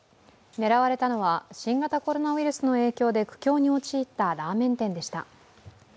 狙われたのは新型コロナウイルスの影響で苦境に陥ったラーメン店でした。